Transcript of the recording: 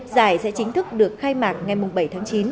giải sẽ chính thức được khai mạc ngày bảy tháng chín